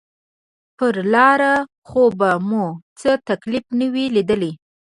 پر لاره خو به مو څه تکليف نه وي ليدلى.